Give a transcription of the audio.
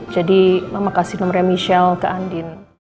jadi mama kasih nomernya michelle ke andien